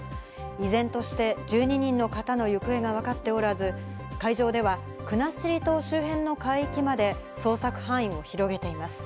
依然として１２人の方の行方が分かっておらず、海上では国後島周辺の海域まで捜索範囲を広げています。